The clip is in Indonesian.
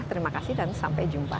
terima kasih dan sampai jumpa